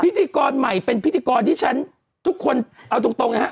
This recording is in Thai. พิธีกรใหม่เป็นพิธีกรที่ฉันทุกคนเอาตรงนะฮะ